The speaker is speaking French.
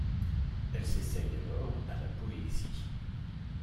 Elle s'essaye alors à la poésie.